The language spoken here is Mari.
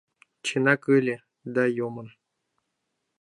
— Чынак ыле... да... йомын.